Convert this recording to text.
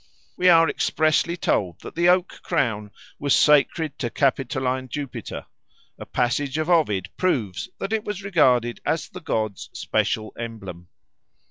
We are expressly told that the oak crown was sacred to Capitoline Jupiter; a passage of Ovid proves that it was regarded as the god's special emblem.